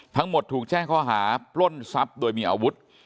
ทั้งหมดถูกแช่ข้อหาปล้นทรัพย์โดยมีอาวุธ